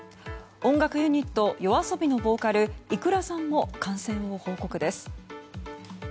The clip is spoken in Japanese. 音楽ユニットＹＯＡＳＯＢＩのボーカルｉｋｕｒａさんも感染を方向です。